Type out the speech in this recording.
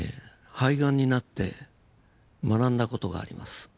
肺ガンになって学んだ事があります。